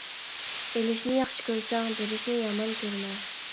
ئېلىشنى ياخشى كۆرسەڭ، بېرىشنى يامان كۆرمە.